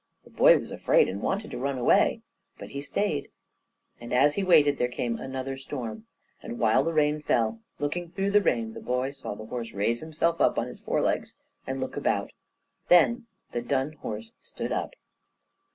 The boy was afraid, and wanted to run away, but he stayed. And as he waited, there came another storm. And while the rain fell, looking through the rain, the boy saw the horse raise himself up on his forelegs and look about. Then the dun horse stood up.